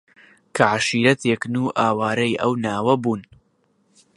کە عەشیرەتێکن و ئاوارەی ئەو ناوە بوون